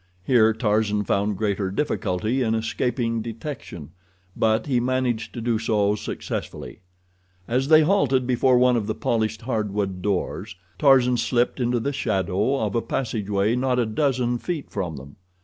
Here Tarzan found greater difficulty in escaping detection, but he managed to do so successfully. As they halted before one of the polished hardwood doors, Tarzan slipped into the shadow of a passageway not a dozen feet from them.